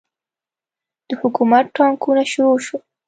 د حکومت پاټکونه شروع سول.